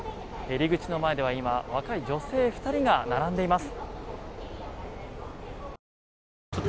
入り口の前では、今若い女性２人が並んでいます。